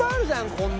こんな！